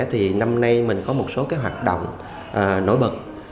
thì năm nay mình có một số cái hoạt động nổi bật